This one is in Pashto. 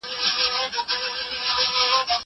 زه اوس لوښي وچوم!